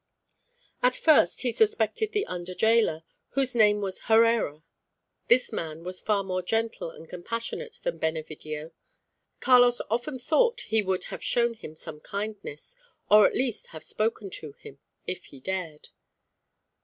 At first he suspected the under gaoler, whose name was Herrera. This man was far more gentle and compassionate than Benevidio. Carlos often thought he would have shown him some kindness, or at least have spoken to him, if he dared.